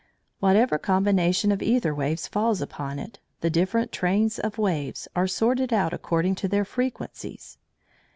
Whatever combination of æther waves falls upon it, the different trains of waves are sorted out according to their frequencies.